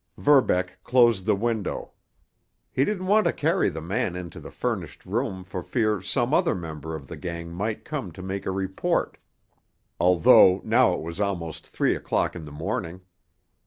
Verbeck closed the window. He didn't want to carry the man into the furnished room for fear some other member of the gang might come to make a report, although now it was almost three o'clock in the morning.